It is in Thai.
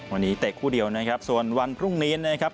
วันนี้เตะคู่เดียวนะครับส่วนวันพรุ่งนี้นะครับ